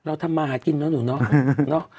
ทำมาหากินเนอะหนูเนาะ